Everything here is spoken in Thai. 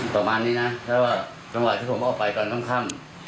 ต่อมานี้นะถ้าว่าเวลาที่ผมออกไปก่อนต้องข้าม